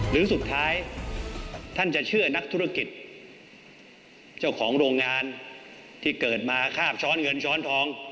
หรือสุดท้ายท่านจะเชื่อนักธุรกิจเจ้าของโรงงานที่เกิดมาคาบช้อนเงินช้อนทอง